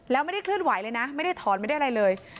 แล้วไม่ได้เคลื่อนไหวเลยนะไม่ได้ถอนไม่ได้อะไรเลย